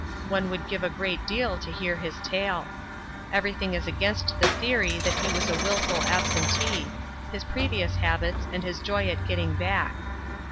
One would give a great deal to hear his tale. Everything is against the theory that he was a wilful absentee his previous habits and his joy at getting back.